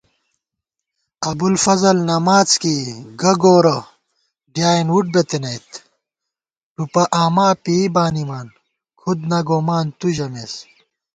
ابُوالفضل نماڅ کېئی گہ گورہ ڈیائېن وُٹ بِتَنَئیت * ٹُوپہ آما پېئی بانِمان کھُد نہ گومان تُو ژَمېس